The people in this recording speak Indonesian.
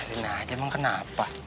enak aja emang kenapa